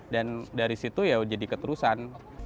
dan dari situ ya jadi keterusan